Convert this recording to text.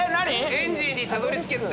エンジンにたどり着けって。